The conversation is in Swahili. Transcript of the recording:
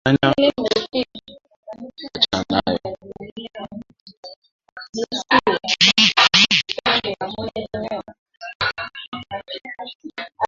Kuchanganya wanyama katika maeneo ya kunywea maji na kuchungia husababisha homa ya mapafu